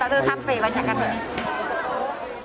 langsung takut sampai banyak banyak